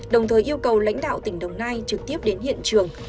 đồng thời yêu cầu lãnh đạo tỉnh đồng nai trực tiếp đến hiện trường